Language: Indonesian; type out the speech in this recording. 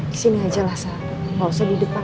di sini aja lah saya gak usah di depan